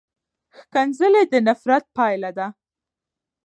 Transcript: ښکنځلې د نفرت پایله ده.